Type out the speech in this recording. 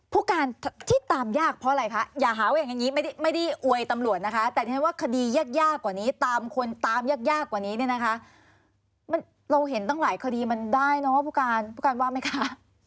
ผู้การที่ตามยากเพราะอะไรคะอย่าหาว่าอย่างนี้ไม่ได้อวยตำรวจนะคะแต่ฉันว่าคดียากยากกว่านี้ตามคนตามยากยากกว่านี้เนี่ยนะคะเราเห็นตั้งหลายคดีมันได้เนอะว่าผู้การผู้การว่าไหมคะ